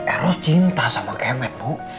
eros cinta sama kemen bu